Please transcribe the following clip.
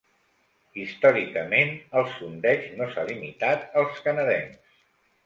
Històricament, el sondeig no s'ha limitat als canadencs.